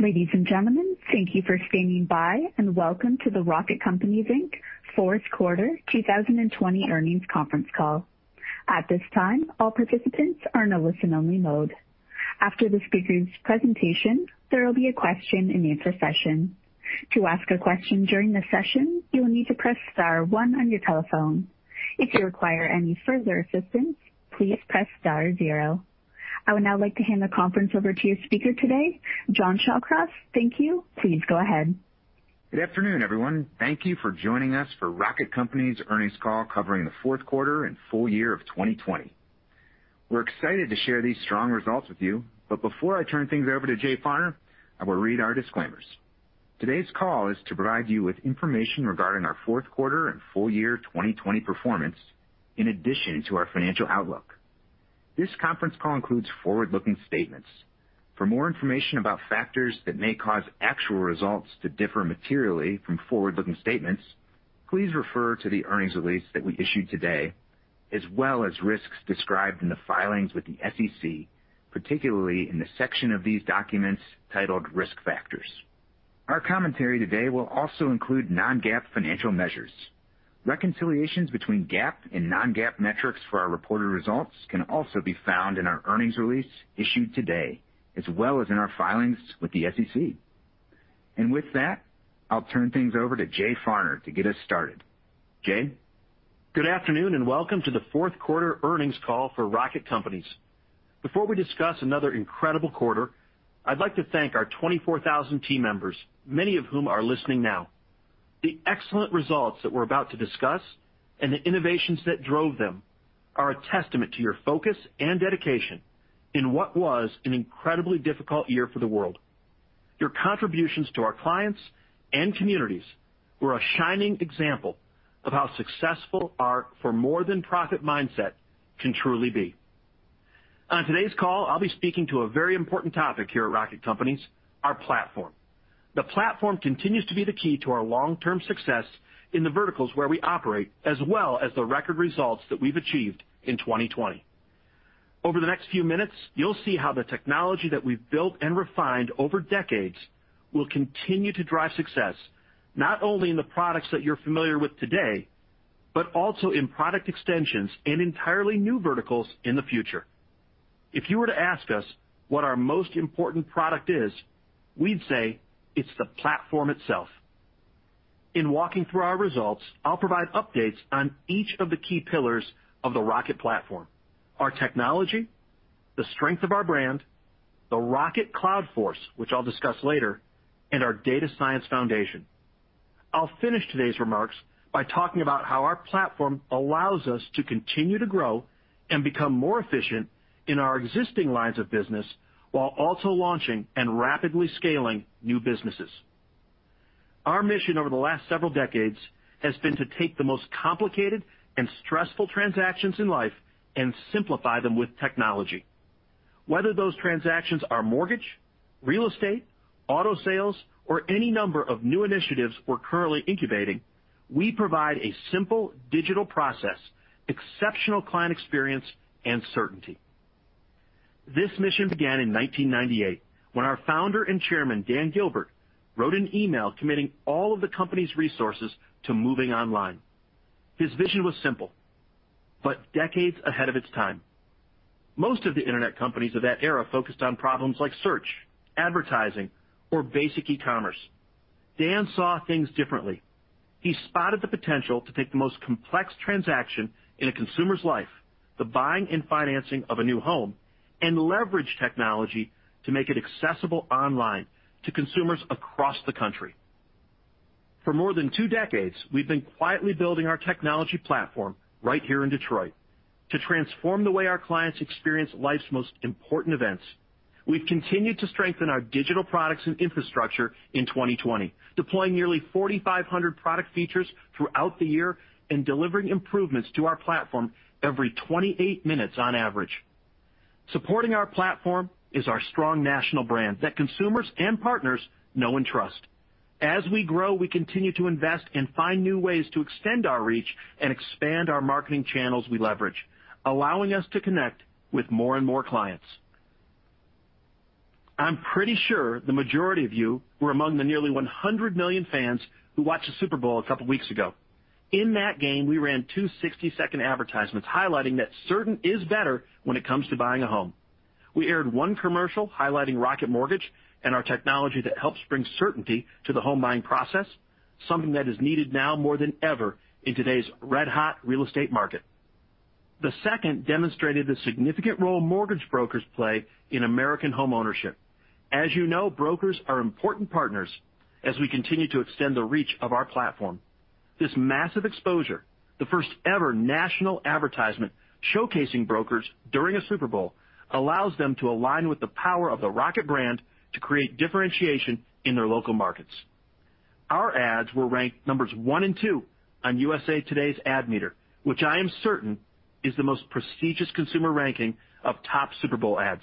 Ladies and gentlemen, thank you for standing by, and welcome to the Rocket Companies, Inc fourth quarter 2020 earnings conference call. I would now like to hand the conference over to your speaker today, John Shallcross. Thank you. Please go ahead. Good afternoon, everyone. Thank you for joining us for Rocket Companies earnings call covering the fourth quarter and full year of 2020. We're excited to share these strong results with you, but before I turn things over to Jay Farner, I will read our disclaimers. Today's call is to provide you with information regarding our fourth quarter and full-year 2020 performance in addition to our financial outlook. This conference call includes forward-looking statements. For more information about factors that may cause actual results to differ materially from forward-looking statements, please refer to the earnings release that we issued today, as well as risks described in the filings with the SEC, particularly in the section of these documents titled Risk Factors. Our commentary today will also include non-GAAP financial measures. Reconciliations between GAAP and non-GAAP metrics for our reported results can also be found in our earnings release issued today, as well as in our filings with the SEC. With that, I'll turn things over to Jay Farner to get us started. Jay? Good afternoon, and welcome to the fourth quarter earnings call for Rocket Companies. Before we discuss another incredible quarter, I'd like to thank our 24,000 team members, many of whom are listening now. The excellent results that we're about to discuss and the innovations that drove them are a testament to your focus and dedication in what was an incredibly difficult year for the world. Your contributions to our clients and communities were a shining example of how successful our For More Than Profit mindset can truly be. On today's call, I'll be speaking to a very important topic here at Rocket Companies, our platform. The platform continues to be the key to our long-term success in the verticals where we operate, as well as the record results that we've achieved in 2020. Over the next few minutes, you'll see how the technology that we've built and refined over decades will continue to drive success, not only in the products that you're familiar with today, but also in product extensions and entirely new verticals in the future. If you were to ask us what our most important product is, we'd say it's the platform itself. In walking through our results, I'll provide updates on each of the key pillars of the Rocket platform, our technology, the strength of our brand, the Rocket Cloud Force, which I'll discuss later, and our data science foundation. I'll finish today's remarks by talking about how our platform allows us to continue to grow and become more efficient in our existing lines of business while also launching and rapidly scaling new businesses. Our mission over the last several decades has been to take the most complicated and stressful transactions in life and simplify them with technology. Whether those transactions are mortgage, real estate, auto sales, or any number of new initiatives we're currently incubating, we provide a simple digital process, exceptional client experience, and certainty. This mission began in 1998 when our Founder and Chairman, Dan Gilbert, wrote an email committing all of the company's resources to moving online. His vision was simple, but decades ahead of its time. Most of the internet companies of that era focused on problems like search, advertising, or basic e-commerce. Dan saw things differently. He spotted the potential to take the most complex transaction in a consumer's life, the buying and financing of a new home, and leverage technology to make it accessible online to consumers across the country. For more than two decades, we've been quietly building our technology platform right here in Detroit to transform the way our clients experience life's most important events. We've continued to strengthen our digital products and infrastructure in 2020, deploying nearly 4,500 product features throughout the year and delivering improvements to our platform every 28 minutes on average. Supporting our platform is our strong national brand that consumers and partners know and trust. As we grow, we continue to invest and find new ways to extend our reach and expand our marketing channels we leverage, allowing us to connect with more and more clients. I'm pretty sure the majority of you were among the nearly 100 million fans who watched the Super Bowl a couple of weeks ago. In that game, we ran two 60-second advertisements highlighting that certain is better when it comes to buying a home. We aired one commercial highlighting Rocket Mortgage and our technology that helps bring certainty to the home buying process, something that is needed now more than ever in today's red-hot real estate market. The second demonstrated the significant role mortgage brokers play in American homeownership. As you know, brokers are important partners as we continue to extend the reach of our platform. This massive exposure, the first ever national advertisement showcasing brokers during a Super Bowl, allows them to align with the power of the Rocket brand to create differentiation in their local markets. Our ads were ranked numbers one and two on USA Today's Ad Meter, which I am certain is the most prestigious consumer ranking of top Super Bowl ads.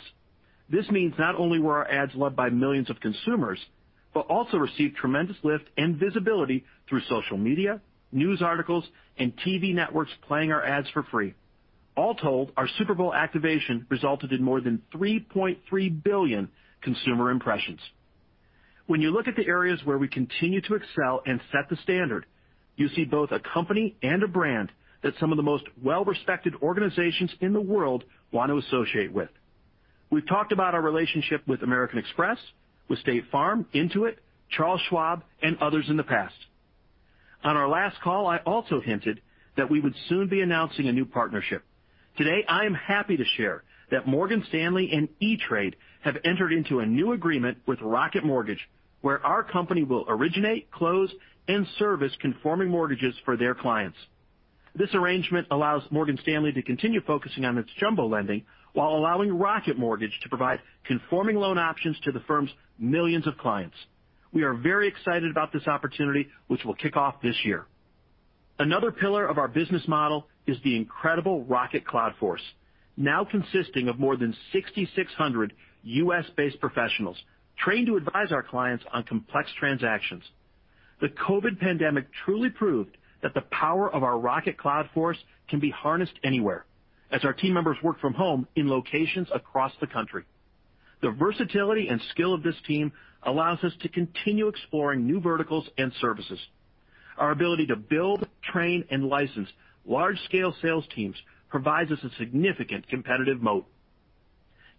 This means not only were our ads loved by millions of consumers, but also received tremendous lift and visibility through social media, news articles, and TV networks playing our ads for free. All told, our Super Bowl activation resulted in more than 3.3 billion consumer impressions. When you look at the areas where we continue to excel and set the standard, you see both a company and a brand that some of the most well-respected organizations in the world want to associate with. We've talked about our relationship with American Express, with State Farm, Intuit, Charles Schwab, and others in the past. On our last call, I also hinted that we would soon be announcing a new partnership. Today, I am happy to share that Morgan Stanley and E*TRADE have entered into a new agreement with Rocket Mortgage, where our company will originate, close, and service conforming mortgages for their clients. This arrangement allows Morgan Stanley to continue focusing on its jumbo lending while allowing Rocket Mortgage to provide conforming loan options to the firm's millions of clients. We are very excited about this opportunity, which will kick off this year. Another pillar of our business model is the incredible Rocket Cloud Force, now consisting of more than 6,600 U.S.-based professionals trained to advise our clients on complex transactions. The COVID pandemic truly proved that the power of our Rocket Cloud Force can be harnessed anywhere, as our team members work from home in locations across the country. The versatility and skill of this team allows us to continue exploring new verticals and services. Our ability to build, train, and license large-scale sales teams provides us a significant competitive moat.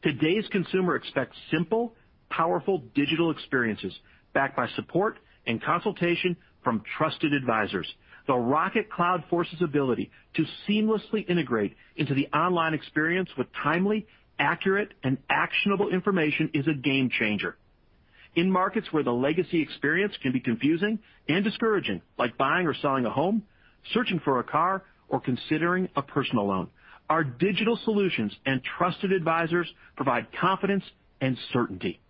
Today's consumer expects simple, powerful digital experiences backed by support and consultation from trusted advisors. The Rocket Cloud Force's ability to seamlessly integrate into the online experience with timely, accurate, and actionable information is a game changer. In markets where the legacy experience can be confusing and discouraging, like buying or selling a home, searching for a car, or considering a personal loan, our digital solutions and trusted advisors provide confidence and certainty.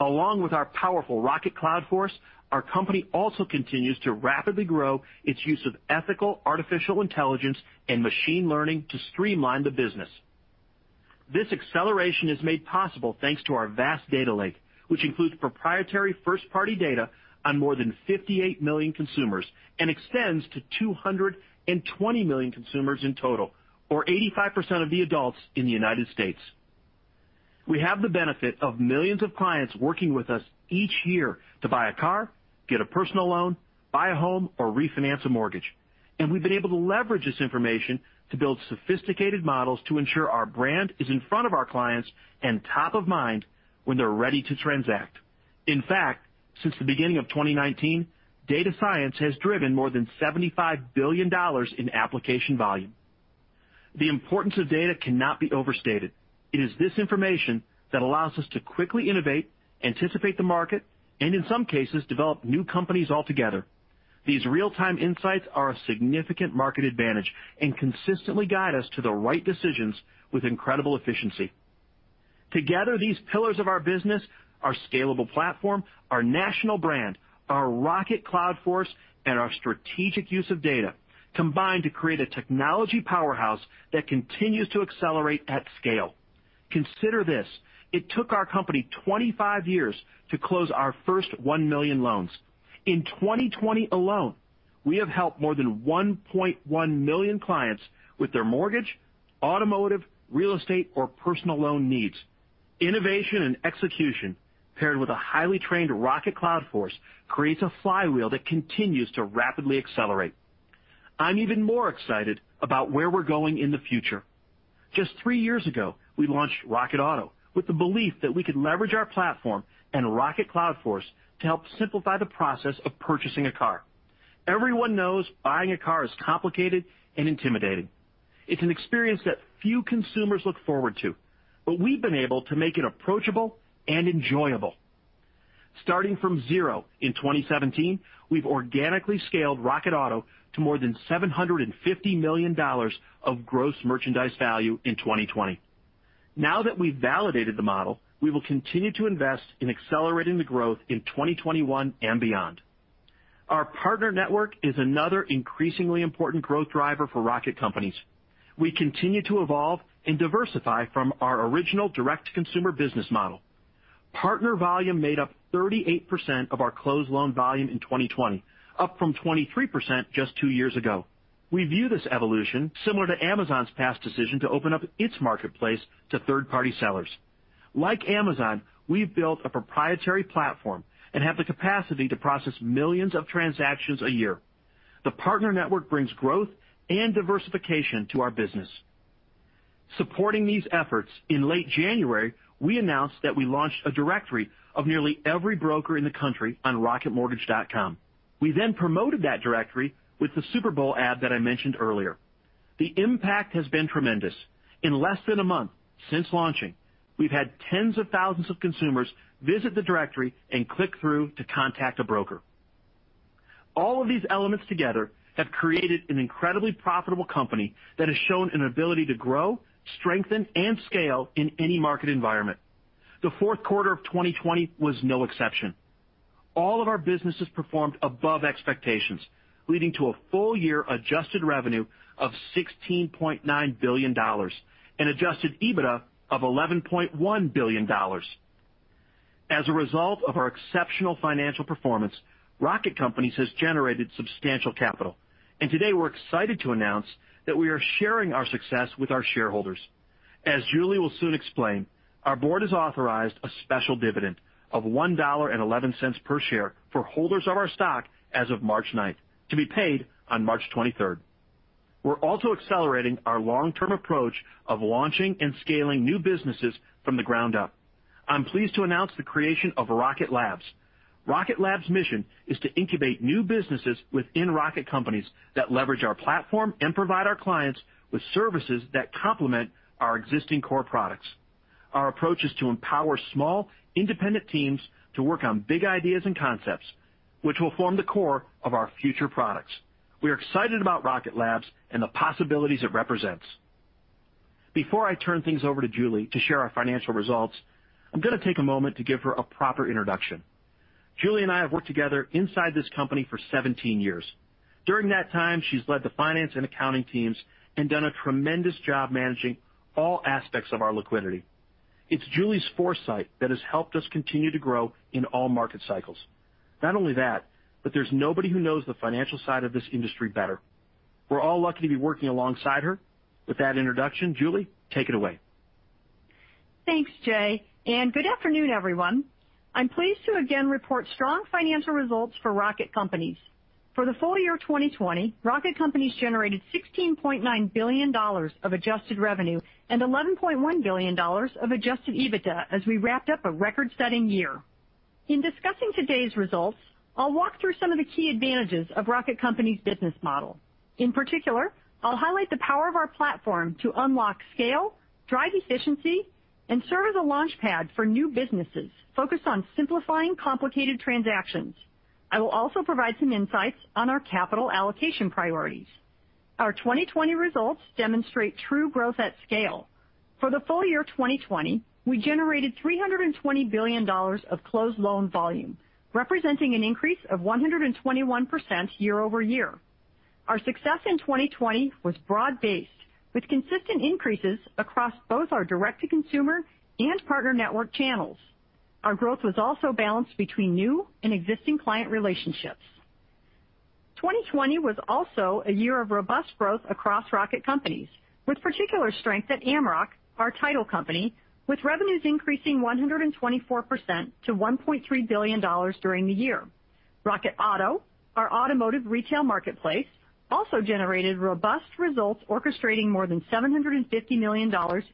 Along with our powerful Rocket Cloud Force, our company also continues to rapidly grow its use of ethical artificial intelligence and machine learning to streamline the business. This acceleration is made possible thanks to our vast data lake, which includes proprietary first-party data on more than 58 million consumers and extends to 220 million consumers in total, or 85% of the adults in the U.S. We have the benefit of millions of clients working with us each year to buy a car, get a personal loan, buy a home, or refinance a mortgage. We've been able to leverage this information to build sophisticated models to ensure our brand is in front of our clients and top of mind when they're ready to transact. In fact, since the beginning of 2019, data science has driven more than $75 billion in application volume. The importance of data cannot be overstated. It is this information that allows us to quickly innovate, anticipate the market, and in some cases, develop new companies altogether. These real-time insights are a significant market advantage and consistently guide us to the right decisions with incredible efficiency. Together, these pillars of our business, our scalable platform, our national brand, our Rocket Cloud Force, and our strategic use of data combine to create a technology powerhouse that continues to accelerate at scale. Consider this: It took our company 25 years to close our first 1 million loans. In 2020 alone, we have helped more than 1.1 million clients with their mortgage, automotive, real estate, or personal loan needs. Innovation and execution, paired with a highly trained Rocket Cloud Force, creates a flywheel that continues to rapidly accelerate. I'm even more excited about where we're going in the future. Just three years ago, we launched Rocket Auto with the belief that we could leverage our platform and Rocket Cloud Force to help simplify the process of purchasing a car. Everyone knows buying a car is complicated and intimidating. It's an experience that few consumers look forward to, but we've been able to make it approachable and enjoyable. Starting from zero in 2017, we've organically scaled Rocket Auto to more than $750 million of gross merchandise value in 2020. Now that we've validated the model, we will continue to invest in accelerating the growth in 2021 and beyond. Our Partner Network is another increasingly important growth driver for Rocket Companies. We continue to evolve and diversify from our original direct-to-consumer business model. Partner volume made up 38% of our closed loan volume in 2020, up from 23% just two years ago. We view this evolution similar to Amazon's past decision to open up its marketplace to third-party sellers. Like Amazon, we've built a proprietary platform and have the capacity to process millions of transactions a year. The Partner Network brings growth and diversification to our business. Supporting these efforts, in late January, we announced that we launched a directory of nearly every broker in the country on rocketmortgage.com. We then promoted that directory with the Super Bowl ad that I mentioned earlier. The impact has been tremendous. In less than a month since launching, we've had tens of thousands of consumers visit the directory and click through to contact a broker. All of these elements together have created an incredibly profitable company that has shown an ability to grow, strengthen, and scale in any market environment. The fourth quarter of 2020 was no exception. All of our businesses performed above expectations, leading to a full-year adjusted revenue of $16.9 billion, an adjusted EBITDA of $11.1 billion. As a result of our exceptional financial performance, Rocket Companies has generated substantial capital. Today, we're excited to announce that we are sharing our success with our shareholders. As Julie will soon explain, our Board has authorized a special dividend of $1.11 per share for holders of our stock as of March 9th, to be paid on March 23rd. We're also accelerating our long-term approach of launching and scaling new businesses from the ground up. I'm pleased to announce the creation of Rocket Labs. Rocket Labs' mission is to incubate new businesses within Rocket Companies that leverage our platform and provide our clients with services that complement our existing core products. Our approach is to empower small, independent teams to work on big ideas and concepts, which will form the core of our future products. We are excited about Rocket Labs and the possibilities it represents. Before I turn things over to Julie to share our financial results, I'm going to take a moment to give her a proper introduction. Julie and I have worked together inside this company for 17 years. During that time, she's led the finance and accounting teams and done a tremendous job managing all aspects of our liquidity. It's Julie's foresight that has helped us continue to grow in all market cycles. Not only that, but there's nobody who knows the financial side of this industry better. We're all lucky to be working alongside her. With that introduction, Julie, take it away. Thanks, Jay. Good afternoon, everyone. I'm pleased to again report strong financial results for Rocket Companies. For the full year 2020, Rocket Companies generated $16.9 billion of adjusted revenue and $11.1 billion of adjusted EBITDA as we wrapped up a record-setting year. In discussing today's results, I'll walk through some of the key advantages of Rocket Companies' business model. In particular, I'll highlight the power of our platform to unlock scale, drive efficiency, and serve as a launchpad for new businesses focused on simplifying complicated transactions. I will also provide some insights on our capital allocation priorities. Our 2020 results demonstrate true growth at scale. For the full year 2020, we generated $320 billion of closed loan volume, representing an increase of 121% year-over-year. Our success in 2020 was broad-based, with consistent increases across both our Direct to Consumer and Partner Network channels. Our growth was also balanced between new and existing client relationships. 2020 was also a year of robust growth across Rocket Companies, with particular strength at Amrock, our title company, with revenues increasing 124% to $1.3 billion during the year. Rocket Auto, our automotive retail marketplace, also generated robust results, orchestrating more than $750 million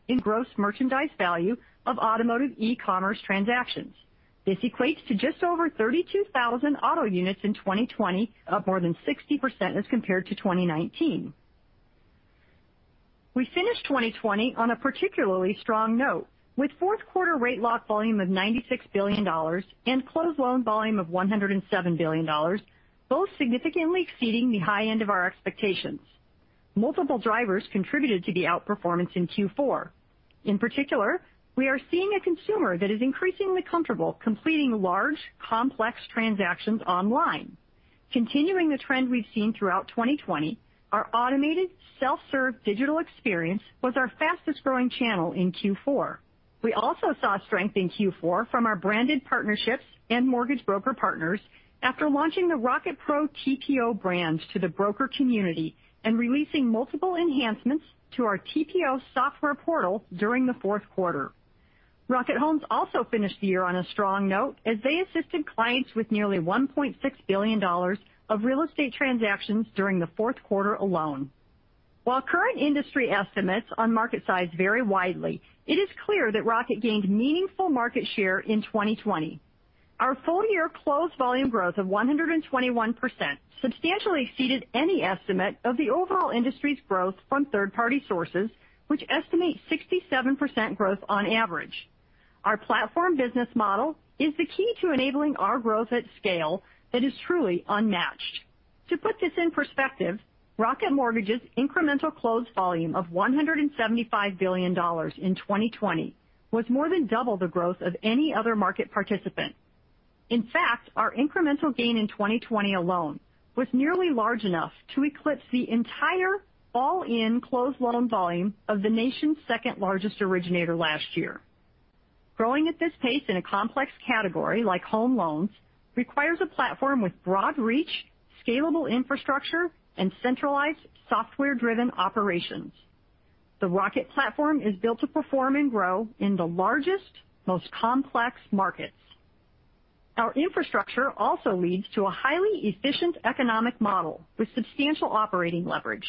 in gross merchandise value of automotive e-commerce transactions. This equates to just over 32,000 auto units in 2020, up more than 60% as compared to 2019. We finished 2020 on a particularly strong note, with fourth quarter rate lock volume of $96 billion and closed loan volume of $107 billion, both significantly exceeding the high end of our expectations. Multiple drivers contributed to the outperformance in Q4. In particular, we are seeing a consumer that is increasingly comfortable completing large, complex transactions online. Continuing the trend we've seen throughout 2020, our automated self-serve digital experience was our fastest-growing channel in Q4. We also saw strength in Q4 from our branded partnerships and mortgage broker partners after launching the Rocket Pro TPO brand to the broker community and releasing multiple enhancements to our TPO software portal during the fourth quarter. Rocket Homes also finished the year on a strong note, as they assisted clients with nearly $1.6 billion of real estate transactions during the fourth quarter alone. While current industry estimates on market size vary widely, it is clear that Rocket gained meaningful market share in 2020. Our full-year closed volume growth of 121% substantially exceeded any estimate of the overall industry's growth from third-party sources, which estimate 67% growth on average. Our platform business model is the key to enabling our growth at scale that is truly unmatched. To put this in perspective, Rocket Mortgage's incremental closed volume of $175 billion in 2020 was more than double the growth of any other market participant. In fact, our incremental gain in 2020 alone was nearly large enough to eclipse the entire all-in closed loan volume of the nation's second-largest originator last year. Growing at this pace in a complex category like home loans requires a platform with broad reach, scalable infrastructure, and centralized software-driven operations. The Rocket platform is built to perform and grow in the largest, most complex markets. Our infrastructure also leads to a highly efficient economic model with substantial operating leverage.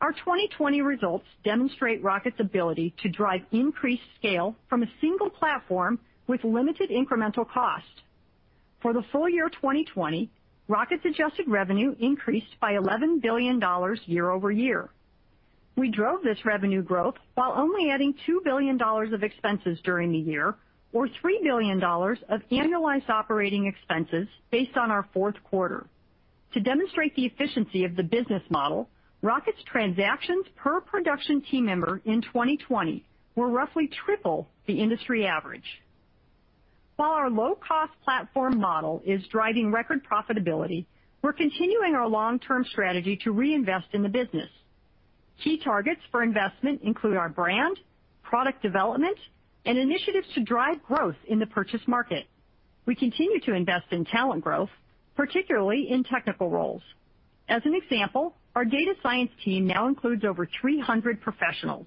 Our 2020 results demonstrate Rocket's ability to drive increased scale from a single platform with limited incremental cost. For the full year 2020, Rocket's adjusted revenue increased by $11 billion year-over-year. We drove this revenue growth while only adding $2 billion of expenses during the year or $3 billion of annualized operating expenses based on our fourth quarter. To demonstrate the efficiency of the business model, Rocket's transactions per production team member in 2020 were roughly triple the industry average. While our low-cost platform model is driving record profitability, we're continuing our long-term strategy to reinvest in the business. Key targets for investment include our brand, product development, and initiatives to drive growth in the purchase market. We continue to invest in talent growth, particularly in technical roles. As an example, our data science team now includes over 300 professionals.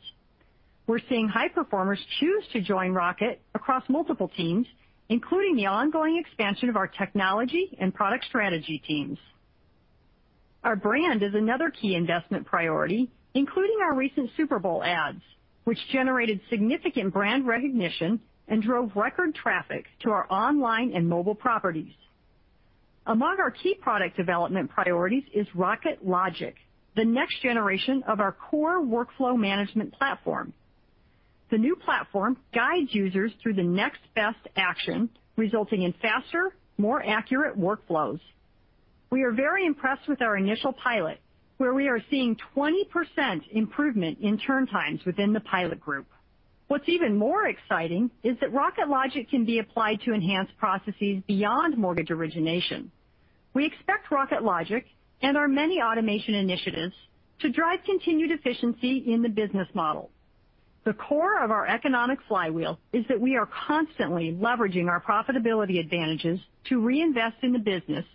We're seeing high performers choose to join Rocket across multiple teams, including the ongoing expansion of our technology and product strategy teams. Our brand is another key investment priority, including our recent Super Bowl ads, which generated significant brand recognition and drove record traffic to our online and mobile properties. Among our key product development priorities is Rocket Logic, the next generation of our core workflow management platform. The new platform guides users through the next-best action, resulting in faster, more accurate workflows. We are very impressed with our initial pilot, where we are seeing 20% improvement in turn times within the pilot group. What's even more exciting is that Rocket Logic can be applied to enhance processes beyond mortgage origination. We expect Rocket Logic and our many automation initiatives to drive continued efficiency in the business model. The core of our economic flywheel is that we are constantly leveraging our profitability advantages to reinvest in the business,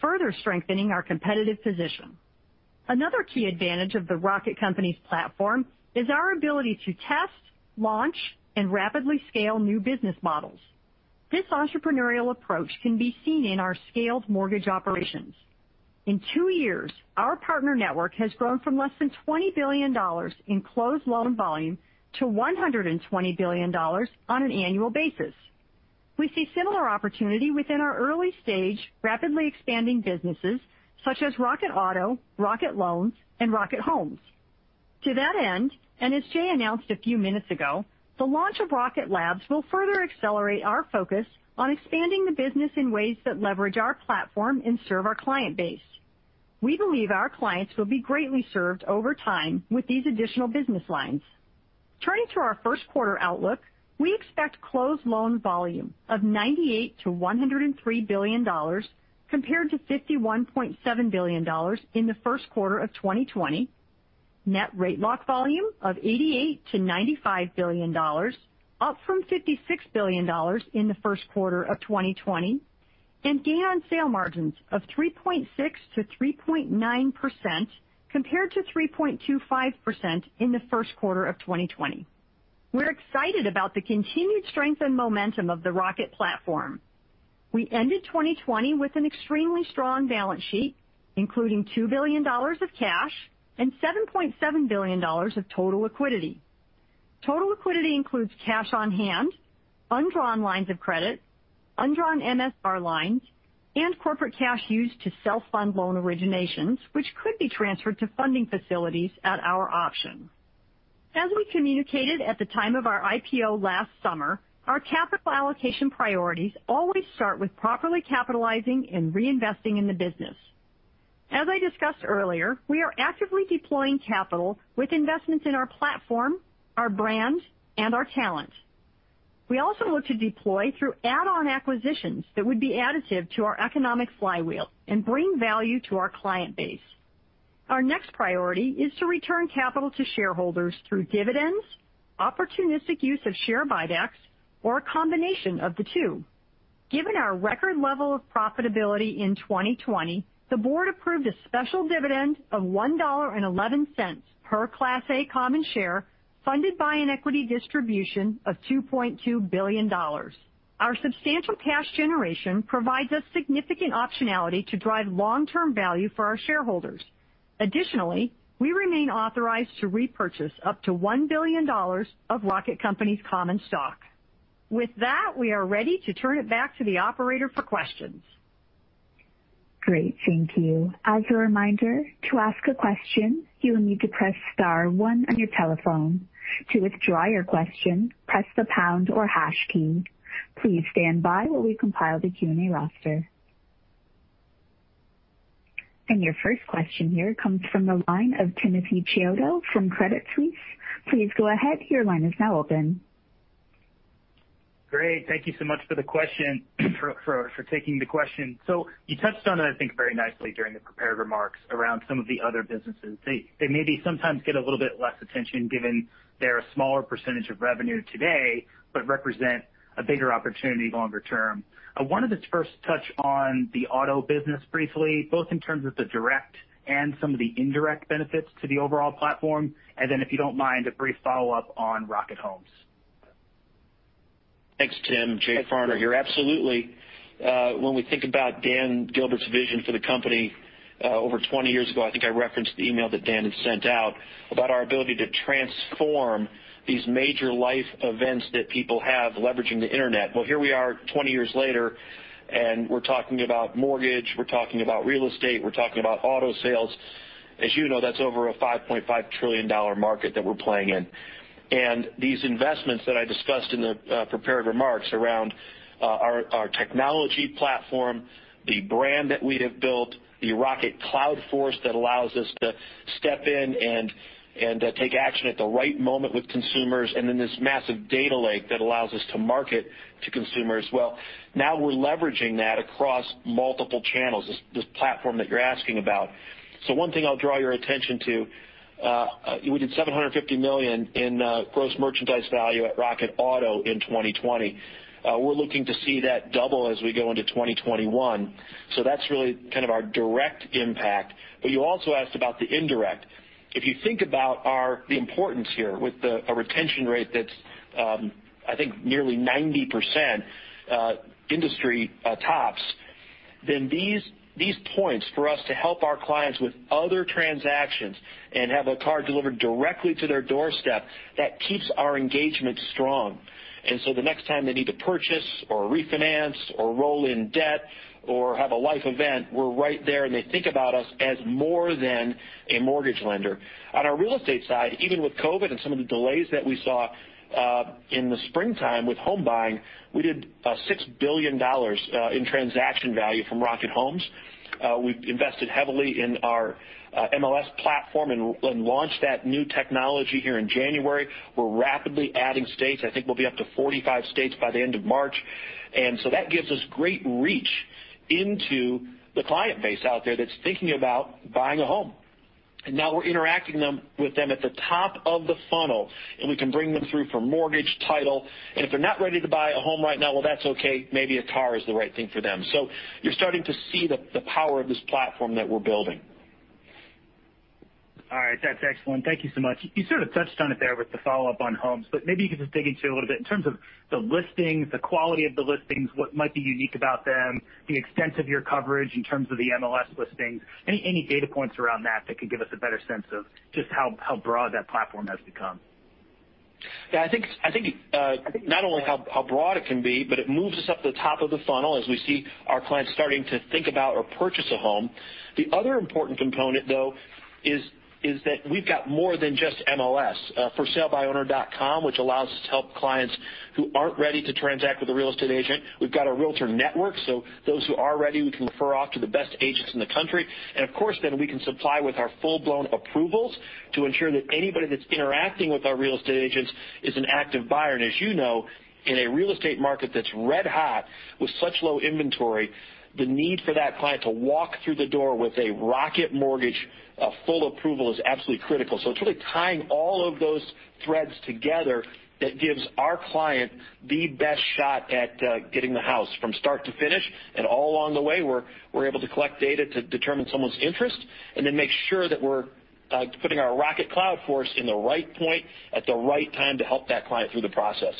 further strengthening our competitive position. Another key advantage of the Rocket Companies platform is our ability to test, launch, and rapidly scale new business models. This entrepreneurial approach can be seen in our scaled mortgage operations. In two years, our Partner Network has grown from less than $20 billion in closed loan volume to $120 billion on an annual basis. We see similar opportunity within our early-stage, rapidly expanding businesses such as Rocket Auto, Rocket Loans, and Rocket Homes. To that end, and as Jay announced a few minutes ago, the launch of Rocket Labs will further accelerate our focus on expanding the business in ways that leverage our platform and serve our client base. We believe our clients will be greatly served over time with these additional business lines. Turning to our first quarter outlook, we expect closed loan volume of $98 billion-$103 billion, compared to $51.7 billion in the first quarter of 2020, net rate lock volume of $88 billion-$95 billion, up from $56 billion in the first quarter of 2020, and gain on sale margins of 3.6%-3.9%, compared to 3.25% in the first quarter of 2020. We're excited about the continued strength and momentum of the Rocket platform. We ended 2020 with an extremely strong balance sheet, including $2 billion of cash and $7.7 billion of total liquidity. Total liquidity includes cash on hand, undrawn lines of credit, undrawn MSR lines, and corporate cash used to self-fund loan originations, which could be transferred to funding facilities at our option. As we communicated at the time of our IPO last summer, our capital allocation priorities always start with properly capitalizing and reinvesting in the business. As I discussed earlier, we are actively deploying capital with investments in our platform, our brand, and our talent. We also look to deploy through add-on acquisitions that would be additive to our economic flywheel and bring value to our client base. Our next priority is to return capital to shareholders through dividends, opportunistic use of share buybacks, or a combination of the two. Given our record level of profitability in 2020, the Board approved a special dividend of $1.11 per Class A common share, funded by an equity distribution of $2.2 billion. Our substantial cash generation provides us significant optionality to drive long-term value for our shareholders. Additionally, we remain authorized to repurchase up to $1 billion of Rocket Companies' common stock. With that, we are ready to turn it back to the operator for questions. Great, thank you. As a reminder, to ask a question, you will need to press star one on your telephone. To withdraw your question, press the pound or hash key. Please stand by while we compile the Q&A roster. Your first question here comes from the line of Timothy Chiodo from Credit Suisse. Please go ahead. Great. Thank you so much for taking the question. You touched on it, I think, very nicely during the prepared remarks around some of the other businesses. They maybe sometimes get a little bit less attention, given they're a smaller percentage of revenue today, but represent a bigger opportunity longer term. I wanted to first touch on the auto business briefly, both in terms of the direct and some of the indirect benefits to the overall platform. Then, if you don't mind, a brief follow-up on Rocket Homes. Thanks, Tim. Jay Farner here. Absolutely. When we think about Dan Gilbert's vision for the company over 20 years ago, I think I referenced the email that Dan had sent out about our ability to transform these major life events that people have, leveraging the Internet. Well, here we are 20 years later, and we're talking about mortgage, we're talking about real estate, we're talking about auto sales. As you know, that's over a $5.5 trillion market that we're playing in. These investments that I discussed in the prepared remarks around our technology platform, the brand that we have built, the Rocket Cloud Force that allows us to step in and take action at the right moment with consumers, and then this massive data lake that allows us to market to consumers. Well, now we're leveraging that across multiple channels, this platform that you're asking about. One thing I'll draw your attention to, we did $750 million in gross merchandise value at Rocket Auto in 2020. We're looking to see that double as we go into 2021. That's really kind of our direct impact. You also asked about the indirect. If you think about the importance here with a retention rate that's, I think nearly 90% industry tops, these points for us to help our clients with other transactions and have a car delivered directly to their doorstep, that keeps our engagement strong. The next time they need to purchase or refinance or roll in debt or have a life event, we're right there, and they think about us as more than a mortgage lender. On our real estate side, even with COVID and some of the delays that we saw in the springtime with home buying, we did $6 billion in transaction value from Rocket Homes. We've invested heavily in our MLS platform and launched that new technology here in January. We're rapidly adding states. I think we'll be up to 45 states by the end of March. That gives us great reach into the client base out there that's thinking about buying a home. Now we're interacting with them at the top of the funnel, and we can bring them through for mortgage title. If they're not ready to buy a home right now, well, that's okay. Maybe a car is the right thing for them. You're starting to see the power of this platform that we're building. All right. That's excellent. Thank you so much. You sort of touched on it there with the follow-up on homes, but maybe you could just dig into a little bit in terms of the listings, the quality of the listings, what might be unique about them, the extent of your coverage in terms of the MLS listings. Any data points around that could give us a better sense of just how broad that platform has become. I think not only how broad it can be, but it moves us up to the top of the funnel as we see our clients starting to think about or purchase a home. The other important component, though, is that we've got more than just MLS. ForSaleByOwner.com, which allows us to help clients who aren't ready to transact with a real estate agent. We've got a realtor network, so those who are ready, we can refer off to the best agents in the country. Of course, we can supply with our full-blown approvals to ensure that anybody that's interacting with our real estate agents is an active buyer. As you know, in a real estate market that's red hot with such low inventory, the need for that client to walk through the door with a Rocket Mortgage full approval is absolutely critical. It's really tying all of those threads together that gives our client the best shot at getting the house from start to finish. All along the way, we're able to collect data to determine someone's interest and then make sure that we're putting our Rocket Cloud Force in the right point at the right time to help that client through the process.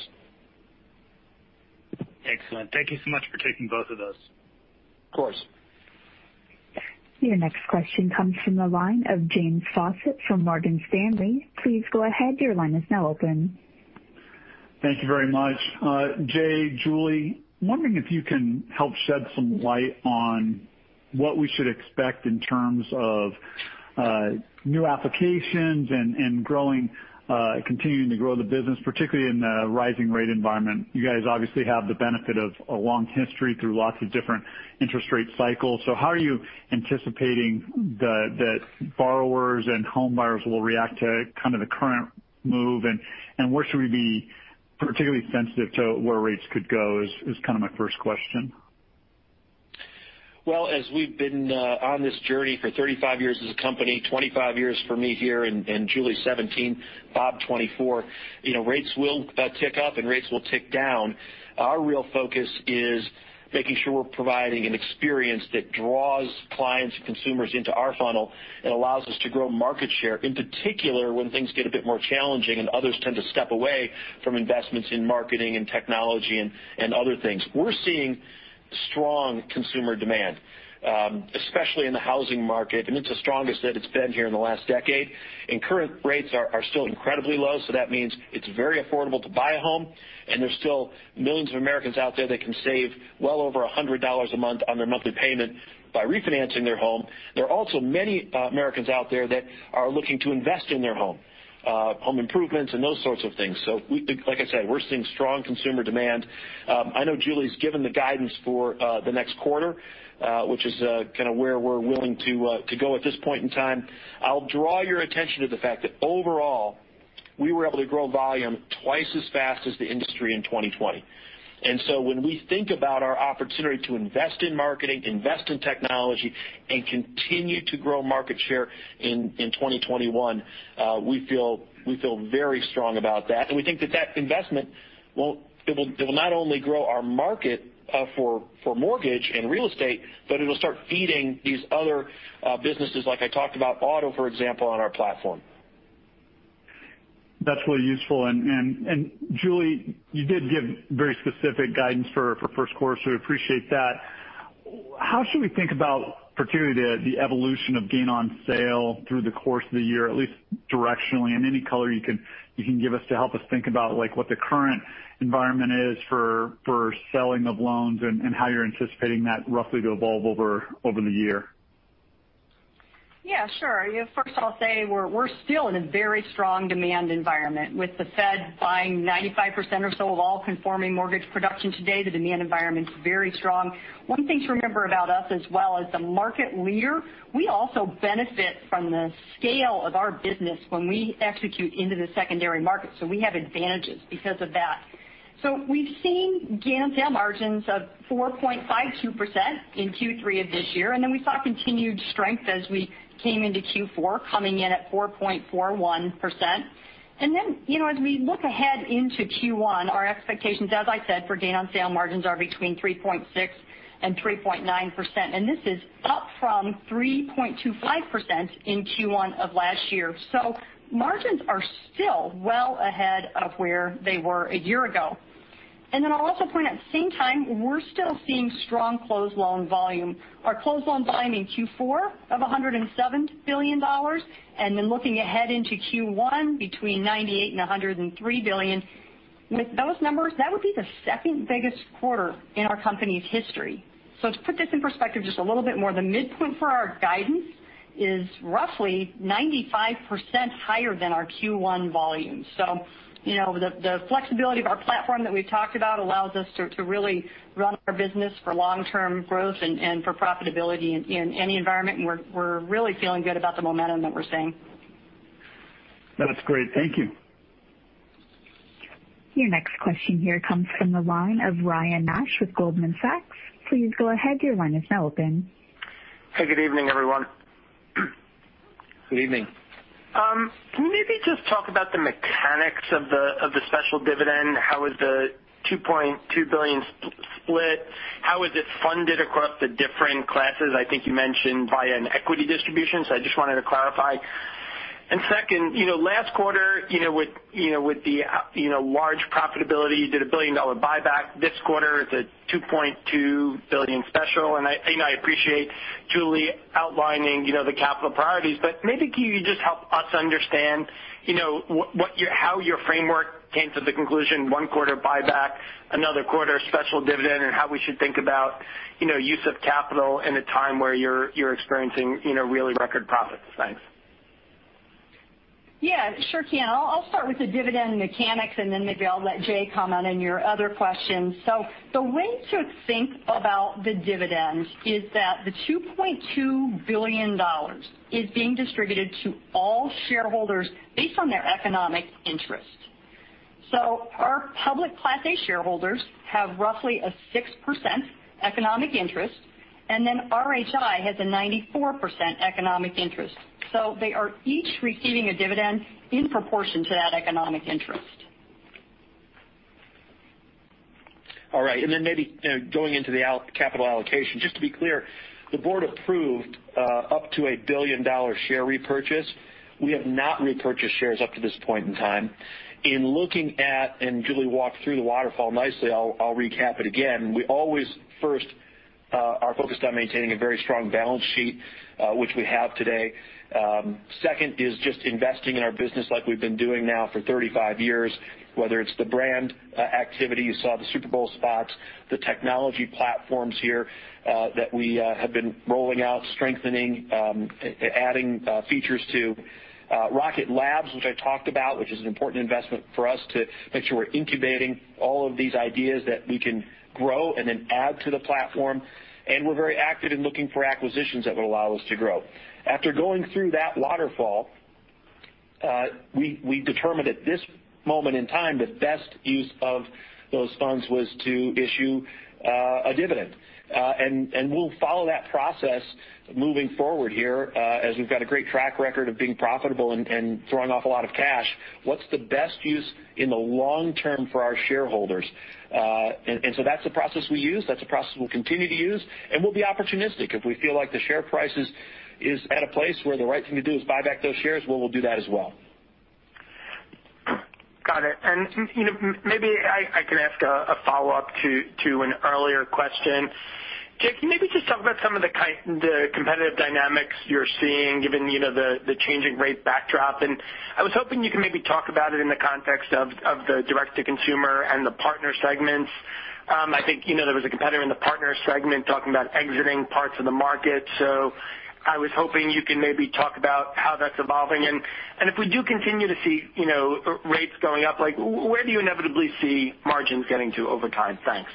Excellent. Thank you so much for taking both of those. Of course. Your next question comes from the line of James Faucette from Morgan Stanley. Please go ahead. Your line is now open. Thank you very much. Jay, Julie, wondering if you can help shed some light on what we should expect in terms of new applications and continuing to grow the business, particularly in the rising rate environment. You guys obviously have the benefit of a long history through lots of different interest rate cycles. How are you anticipating that borrowers and home buyers will react to kind of the current move, and where should we be particularly sensitive to where rates could go is kind of my first question. Well, as we've been on this journey for 35 years as a company, 25 years for me here, and Julie 17, Bob 24, rates will tick up and rates will tick down. Our real focus is making sure we're providing an experience that draws clients and consumers into our funnel and allows us to grow market share, in particular, when things get a bit more challenging and others tend to step away from investments in marketing and technology and other things. We're seeing strong consumer demand, especially in the housing market. It's the strongest that it's been here in the last decade. Current rates are still incredibly low, so that means it's very affordable to buy a home, and there's still millions of Americans out there that can save well over $100 a month on their monthly payment by refinancing their home. There are also many Americans out there that are looking to invest in their home, home improvements and those sorts of things. Like I said, we're seeing strong consumer demand. I know Julie's given the guidance for the next quarter, which is kind of where we're willing to go at this point in time. I'll draw your attention to the fact that overall, we were able to grow volume twice as fast as the industry in 2020. When we think about our opportunity to invest in marketing, invest in technology, and continue to grow market share in 2021, we feel very strong about that, and we think that that investment will not only grow our market for mortgage and real estate, but it'll start feeding these other businesses like I talked about, auto, for example, on our platform. That's really useful. Julie, you did give very specific guidance for first quarter, so we appreciate that. How should we think about particularly the evolution of gain on sale through the course of the year, at least directionally, and any color you can give us to help us think about what the current environment is for selling of loans and how you're anticipating that roughly to evolve over the year? Yeah, sure. First, I'll say we're still in a very strong demand environment. With the Fed buying 95% or so of all conforming mortgage production today, the demand environment is very strong. One thing to remember about us as well, as the market leader, we also benefit from the scale of our business when we execute into the secondary market. We have advantages because of that. We've seen gain on sale margins of 4.52% in Q3 of this year. We saw continued strength as we came into Q4, coming in at 4.41%. As we look ahead into Q1, our expectations, as I said, for gain on sale margins are between 3.6% and 3.9%. This is up from 3.25% in Q1 of last year. Margins are still well ahead of where they were a year ago. I'll also point out, at the same time, we're still seeing strong closed loan volume. Our closed loan volume in Q4 of $107 billion, and then looking ahead into Q1, between $98 billion and $103 billion. With those numbers, that would be the second biggest quarter in our company's history. To put this in perspective just a little bit more, the midpoint for our guidance is roughly 95% higher than our Q1 volume. The flexibility of our platform that we've talked about allows us to really run our business for long-term growth and for profitability in any environment. We're really feeling good about the momentum that we're seeing. That's great. Thank you. Your next question here comes from the line of Ryan Nash with Goldman Sachs. Please go ahead. Hey, good evening, everyone. Good evening. Can you maybe just talk about the mechanics of the special dividend? How is the $2.2 billion split? How is it funded across the different classes? I think you mentioned via an equity distribution, so I just wanted to clarify. Second, last quarter, with the large profitability, you did a $1 billion buyback. This quarter, it's a $2.2 billion special. I appreciate Julie outlining the capital priorities, but maybe can you just help us understand how your framework came to the conclusion one quarter buyback, another quarter special dividend, and how we should think about use of capital in a time where you're experiencing really record profits? Thanks. Yeah. Sure can. I'll start with the dividend mechanics, and then maybe I'll let Jay comment on your other questions. The way to think about the dividend is that the $2.2 billion is being distributed to all shareholders based on their economic interest. Our public Class A shareholders have roughly a 6% economic interest, and then RHI has a 94% economic interest. They are each receiving a dividend in proportion to that economic interest. All right. Then maybe going into the capital allocation, just to be clear, the board approved up to $1 billion share repurchase. We have not repurchased shares up to this point in time. In looking at, Julie walked through the waterfall nicely, I'll recap it again. We always first are focused on maintaining a very strong balance sheet, which we have today. Second is just investing in our business like we've been doing now for 35 years, whether it's the brand activity, you saw the Super Bowl spots, the technology platforms here that we have been rolling out, strengthening, adding features to Rocket Labs, which I talked about, which is an important investment for us to make sure we're incubating all of these ideas that we can grow and then add to the platform. We're very active in looking for acquisitions that will allow us to grow. After going through that waterfall, we determined at this moment in time, the best use of those funds was to issue a dividend. We'll follow that process moving forward here, as we've got a great track record of being profitable and throwing off a lot of cash. What's the best use in the long term for our shareholders? That's the process we use, that's the process we'll continue to use, and we'll be opportunistic. If we feel like the share price is at a place where the right thing to do is buy back those shares, well, we'll do that as well. Got it. Maybe I can ask a follow-up to an earlier question. Jay, can you maybe just talk about some of the competitive dynamics you're seeing given the changing rate backdrop? I was hoping you can maybe talk about it in the context of the Direct to Consumer and the Partner segments. I think there was a competitor in the partner segment talking about exiting parts of the market. I was hoping you can maybe talk about how that's evolving. If we do continue to see rates going up, where do you inevitably see margins getting to over time? Thanks.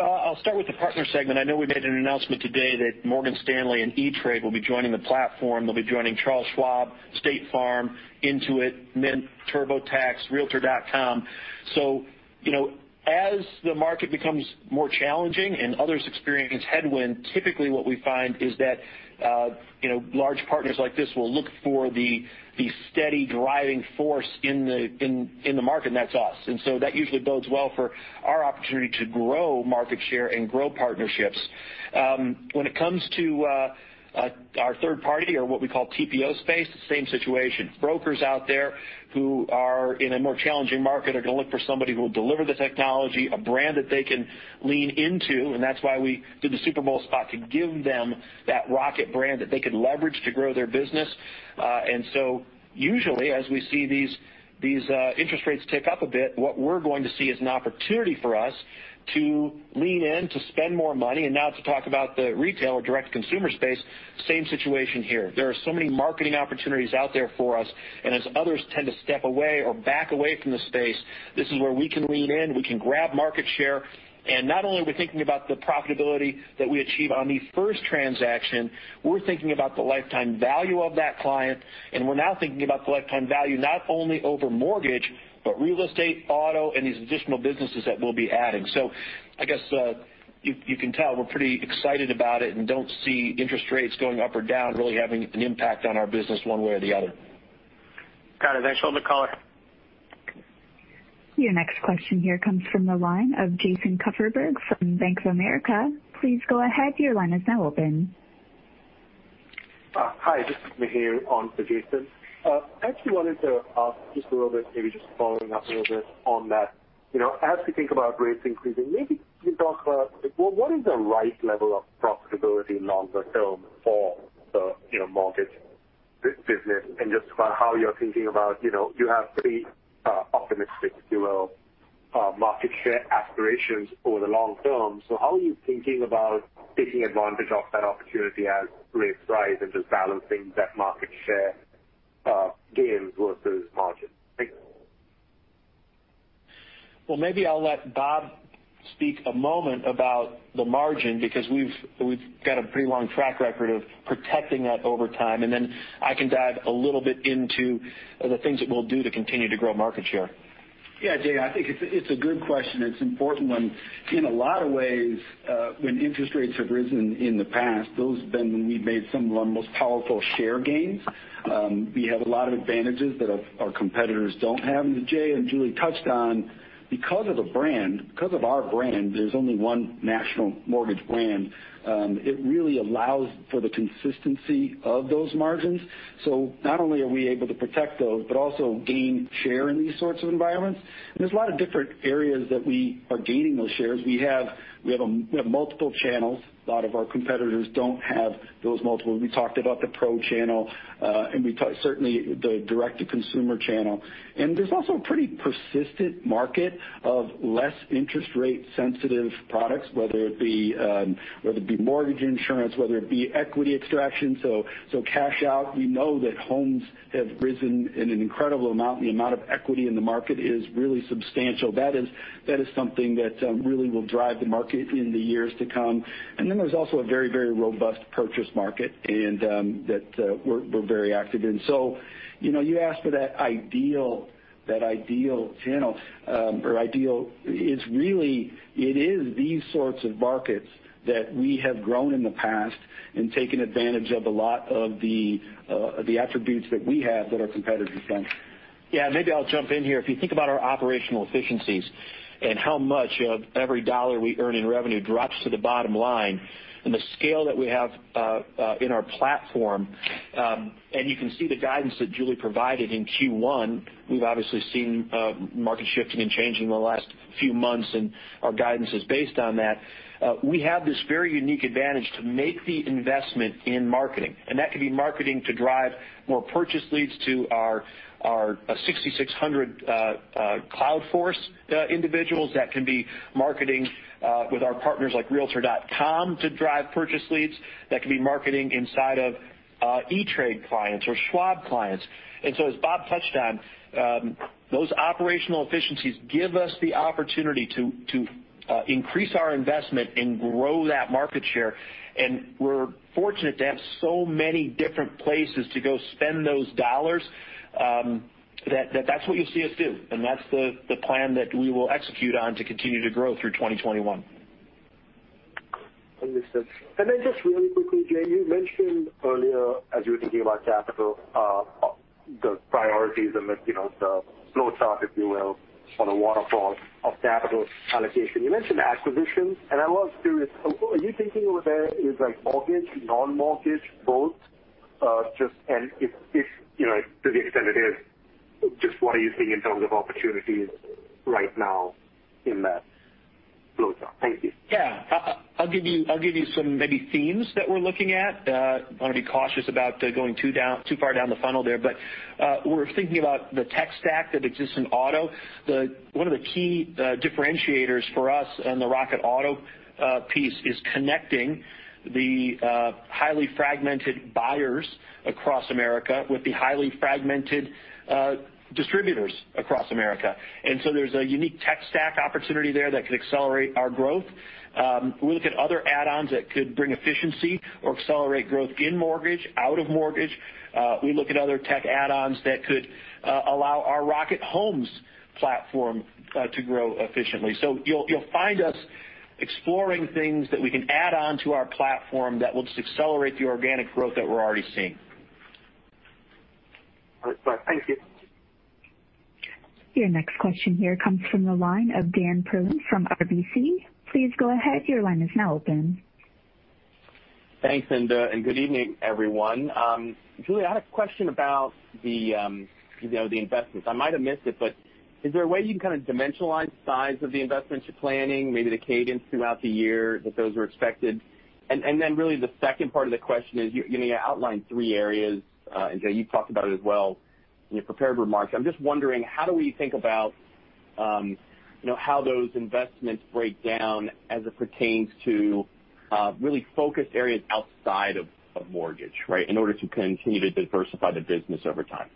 I'll start with the partner segment. I know we made an announcement today that Morgan Stanley and E*TRADE will be joining the platform. They'll be joining Charles Schwab, State Farm, Intuit, Mint, TurboTax, realtor.com. As the market becomes more challenging and others experience headwind, typically what we find is that large partners like this will look for the steady driving force in the market, and that's us. That usually bodes well for our opportunity to grow market share and grow partnerships. When it comes to our third party or what we call TPO space, the same situation. Brokers out there who are in a more challenging market are going to look for somebody who will deliver the technology, a brand that they can lean into, and that's why we did the Super Bowl spot to give them that Rocket brand that they could leverage to grow their business. Usually, as we see these interest rates tick up a bit, what we're going to see is an opportunity for us to lean in to spend more money. Now to talk about the retail or direct-to-consumer space, same situation here. There are so many marketing opportunities out there for us, and as others tend to step away or back away from the space, this is where we can lean in, we can grab market share. Not only are we thinking about the profitability that we achieve on the first transaction, we're thinking about the lifetime value of that client, and we're now thinking about the lifetime value not only over mortgage, but real estate, auto, and these additional businesses that we'll be adding. I guess you can tell we're pretty excited about it and don't see interest rates going up or down really having an impact on our business one way or the other. Got it. Thanks for all the color. Your next question here comes from the line of Jason Kupferberg from Bank of America. Please go ahead. Your line is now open. Hi, this is Mihir on for Jason. I actually wanted to ask just a little bit, maybe just following up a little bit on that. As we think about rates increasing, maybe you can talk about what is the right level of profitability longer term for the mortgage business and just about how you're thinking about, you have pretty optimistic, if you will, market share aspirations over the long term. How are you thinking about taking advantage of that opportunity as rates rise and just balancing that market share gains versus margin? Thanks. Well, maybe I'll let Bob speak a moment about the margin because we've got a pretty long track record of protecting that over time, and then I can dive a little bit into the things that we'll do to continue to grow market share. Yeah, Jay, I think it's a good question. It's an important one. In a lot of ways, when interest rates have risen in the past, those have been when we've made some of our most powerful share gains. We have a lot of advantages that our competitors don't have. Jay and Julie touched on because of the brand, because of our brand, there's only one national mortgage brand. It really allows for the consistency of those margins. Not only are we able to protect those, but also gain share in these sorts of environments. There's a lot of different areas that we are gaining those shares. We have multiple channels. A lot of our competitors don't have those multiples. We talked about the Pro channel, and certainly the direct-to-consumer channel. There's also a pretty persistent market of less interest rate sensitive products, whether it be mortgage insurance, whether it be equity extraction, so cash out. We know that homes have risen in an incredible amount. The amount of equity in the market is really substantial. That is something that really will drive the market in the years to come. Then there's also a very robust purchase market that we're very active in. You asked for that ideal channel. It is these sorts of markets that we have grown in the past and taken advantage of a lot of the attributes that we have that our competitors don't. Yeah, maybe I'll jump in here. If you think about our operational efficiencies and how much of every dollar we earn in revenue drops to the bottom line and the scale that we have in our platform. You can see the guidance that Julie provided in Q1. We've obviously seen markets shifting and changing in the last few months. Our guidance is based on that. We have this very unique advantage to make the investment in marketing. That can be marketing to drive more purchase leads to our 6,600 Cloud Force individuals. That can be marketing with our partners like realtor.com to drive purchase leads. That can be marketing inside of E*TRADE clients or Schwab clients. As Bob touched on, those operational efficiencies give us the opportunity to increase our investment and grow that market share. We're fortunate to have so many different places to go spend those dollars, that that's what you'll see us do. That's the plan that we will execute on to continue to grow through 2021. Understood. Just really quickly, Jay, you mentioned earlier as you were thinking about capital, the priorities and the flow chart, if you will, or the waterfall of capital allocation. You mentioned acquisitions, and I was curious, are you thinking over there is like mortgage, non-mortgage, both? To the extent it is, just what are you seeing in terms of opportunities right now in that flow chart? Thank you. Yeah. I'll give you some maybe themes that we're looking at. I want to be cautious about going too far down the funnel there. We're thinking about the tech stack that exists in auto. One of the key differentiators for us on the Rocket Auto piece is connecting the highly fragmented buyers across America with the highly fragmented distributors across America. There's a unique tech stack opportunity there that could accelerate our growth. We look at other add-ons that could bring efficiency or accelerate growth in mortgage, out of mortgage. We look at other tech add-ons that could allow our Rocket Homes platform to grow efficiently. You'll find us exploring things that we can add on to our platform that will just accelerate the organic growth that we're already seeing. All right. Thank you. Your next question here comes from the line of Dan Perlin from RBC. Please go ahead. Your line is now open. Thanks, and good evening, everyone. Julie, I had a question about the investments. I might have missed it, but is there a way you can kind of dimensionalize size of the investments you're planning, maybe the cadence throughout the year that those are expected? Then really the second part of the question is, you outlined three areas, and Jay, you talked about it as well in your prepared remarks. I'm just wondering how do we think about how those investments break down as it pertains to really focused areas outside of mortgage, right, in order to continue to diversify the business over time?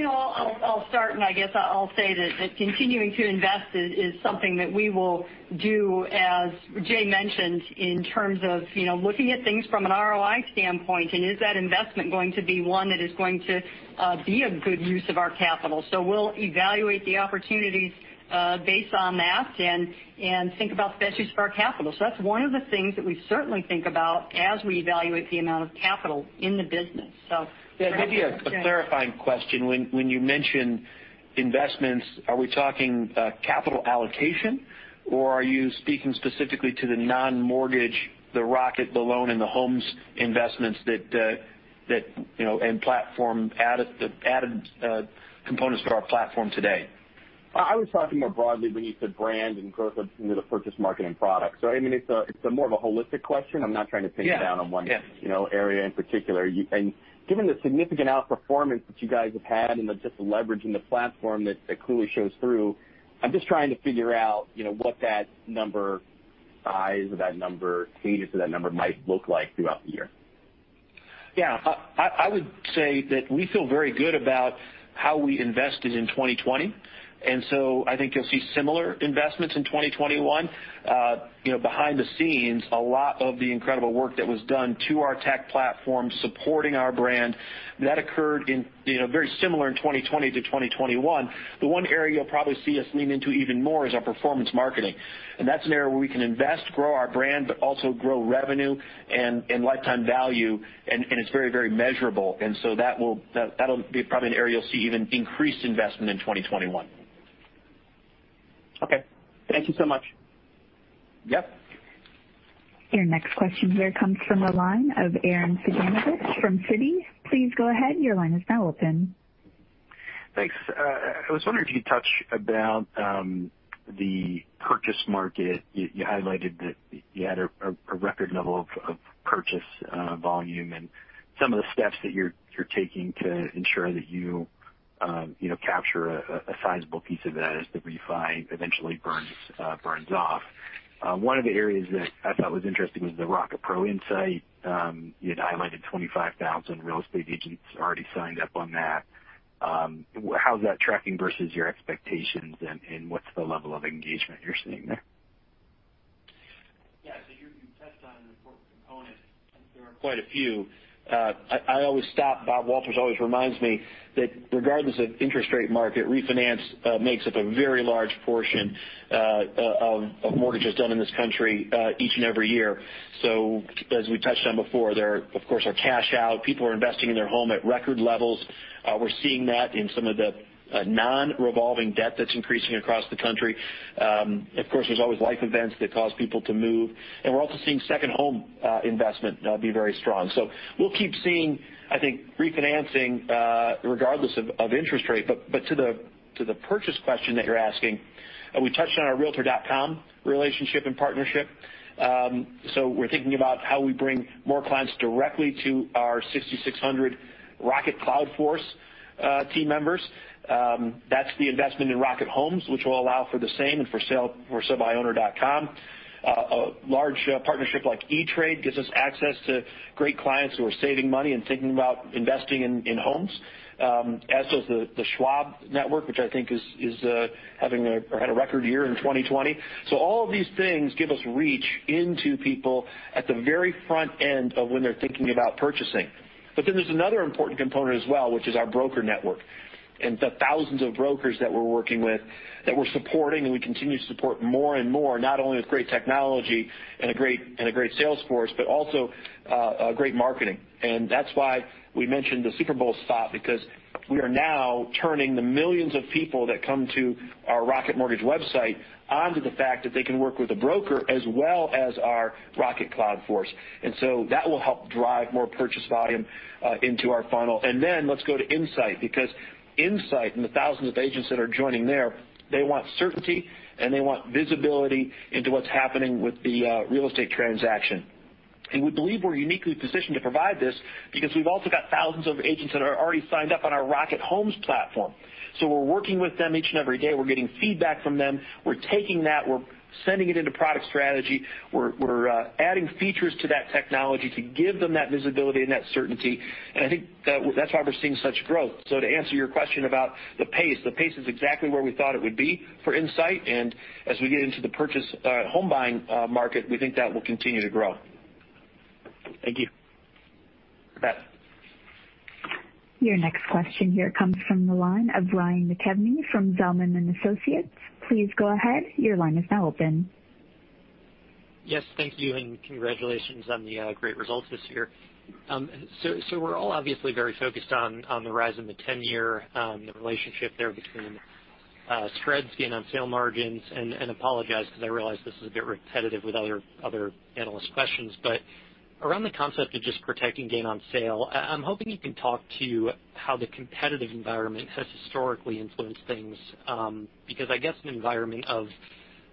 I'll start, I guess I'll say that continuing to invest is something that we will do, as Jay mentioned, in terms of looking at things from an ROI standpoint, and is that investment going to be one that is going to be a good use of our capital. We'll evaluate the opportunities based on that and think about the best use of our capital. That's one of the things that we certainly think about as we evaluate the amount of capital in the business. Yeah. Maybe a clarifying question. When you mention investments, are we talking capital allocation, or are you speaking specifically to the non-mortgage, the Rocket, the loan, and the homes investments and added components to our platform today? I was talking more broadly beneath the brand and growth of the purchase marketing products. It's more of a holistic question. I'm not trying to pin you down on one area in particular. Given the significant outperformance that you guys have had and just the leverage in the platform that clearly shows through, I'm just trying to figure out what that number size or that number cadence or that number might look like throughout the year. Yeah. I would say that we feel very good about how we invested in 2020. I think you'll see similar investments in 2021. Behind the scenes, a lot of the incredible work that was done to our tech platform supporting our brand, that occurred very similar in 2020 to 2021. The one area you'll probably see us lean into even more is our performance marketing, and that's an area where we can invest, grow our brand, but also grow revenue and lifetime value, and it's very measurable. That'll be probably an area you'll see even increased investment in 2021. Okay. Thank you so much. Yep. Your next question here comes from the line of Arren Cyganovich from Citi. Please go ahead. Thanks. I was wondering if you'd touch about the purchase market. You highlighted that you had a record level of purchase volume, and some of the steps that you're taking to ensure that you capture a sizable piece of that as the refi eventually burns off. One of the areas that I thought was interesting was the Rocket Pro Insight. You had highlighted 25,000 real estate agents already signed up on that. How's that tracking versus your expectations, and what's the level of engagement you're seeing there? You touched on an important component. There are quite a few. I always stop. Bob always reminds me that regardless of interest rate market, refinance makes up a very large portion of mortgages done in this country each and every year. As we touched on before, there of course, are cash out. People are investing in their home at record levels. We're seeing that in some of the non-revolving debt that's increasing across the country. Of course, there's always life events that cause people to move, and we're also seeing second home investment be very strong. We'll keep seeing, I think, refinancing regardless of interest rate. To the purchase question that you're asking, we touched on our realtor.com relationship and partnership. We're thinking about how we bring more clients directly to our 6,600 Rocket Cloud Force team members. That's the investment in Rocket Homes, which will allow for the same and ForSaleByOwner.com. A large partnership like E*TRADE gives us access to great clients who are saving money and thinking about investing in homes as does the Schwab network, which I think had a record year in 2020. All of these things give us reach into people at the very front end of when they're thinking about purchasing. There's another important component as well, which is our broker network, and the thousands of brokers that we're working with, that we're supporting, and we continue to support more and more, not only with great technology and a great sales force, but also great marketing. That's why we mentioned the Super Bowl spot, because we are now turning the millions of people that come to our Rocket Mortgage website onto the fact that they can work with a broker as well as our Rocket Cloud Force. That will help drive more purchase volume into our funnel. Let's go to Insight, because Insight and the thousands of agents that are joining there, they want certainty, and they want visibility into what's happening with the real estate transaction. We believe we're uniquely positioned to provide this because we've also got thousands of agents that are already signed up on our Rocket Homes platform. We're working with them each and every day. We're getting feedback from them. We're taking that, we're sending it into product strategy. We're adding features to that technology to give them that visibility and that certainty, and I think that's why we're seeing such growth. To answer your question about the pace, the pace is exactly where we thought it would be for Insight, and as we get into the home buying market, we think that will continue to grow. Thank you. You bet. Your next question here comes from the line of Ryan McKeveny from Zelman & Associates. Please go ahead. Yes. Thank you, and congratulations on the great results this year. We're all obviously very focused on the rise in the 10-year, the relationship there between spreads gain on sale margins, and apologize because I realize this is a bit repetitive with other analyst questions. Around the concept of just protecting gain on sale, I'm hoping you can talk to how the competitive environment has historically influenced things. I guess in an environment of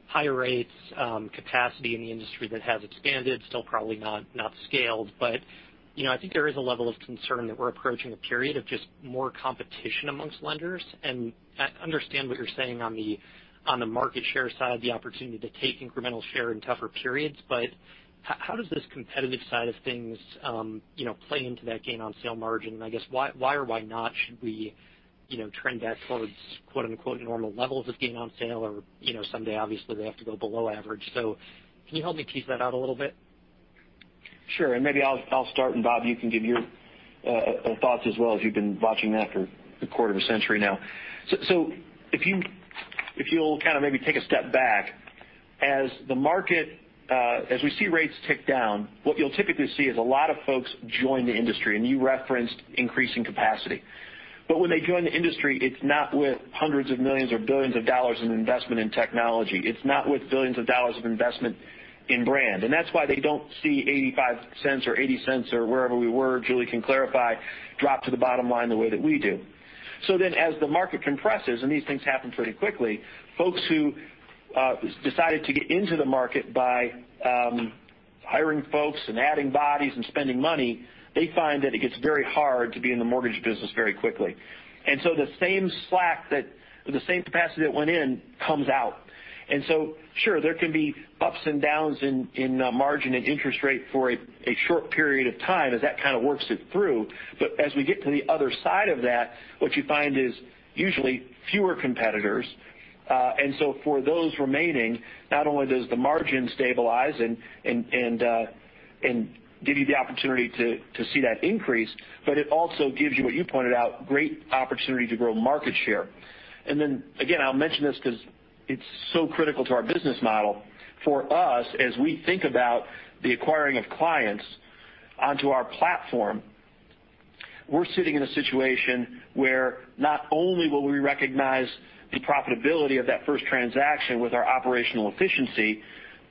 higher rates, capacity in the industry that has expanded, still probably not scaled. I think there is a level of concern that we're approaching a period of just more competition amongst lenders. I understand what you're saying on the market share side, the opportunity to take incremental share in tougher periods. How does this competitive side of things play into that gain on sale margin? I guess why or why not should we trend that towards "normal levels" of gain on sale? Someday, obviously they have to go below average. Can you help me tease that out a little bit? Sure. Maybe I'll start, and Bob, you can give your thoughts as well, as you've been watching that for a quarter of a century now. If you'll kind of maybe take a step back, as we see rates tick down, what you'll typically see is a lot of folks join the industry, and you referenced increasing capacity. When they join the industry, it's not with hundreds of millions or billions of dollars in investment in technology. It's not with billions of dollars of investment in brand. That's why they don't see $0.85 or $0.80 or wherever we were, Julie can clarify, drop to the bottom line the way that we do. As the market compresses, and these things happen pretty quickly, folks who decided to get into the market by hiring folks and adding bodies and spending money, they find that it gets very hard to be in the mortgage business very quickly. The same slack, the same capacity that went in, comes out. Sure, there can be ups and downs in margin and interest rate for a short period of time as that kind of works it through. As we get to the other side of that, what you find is usually fewer competitors. For those remaining, not only does the margin stabilize and give you the opportunity to see that increase, but it also gives you what you pointed out, great opportunity to grow market share. Then, again, I'll mention this because it's so critical to our business model. For us, as we think about the acquiring of clients onto our platform, we're sitting in a situation where not only will we recognize the profitability of that first transaction with our operational efficiency,